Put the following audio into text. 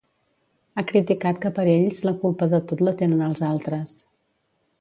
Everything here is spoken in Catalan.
Ha criticat que per a ells la culpa de tot la tenen els altres.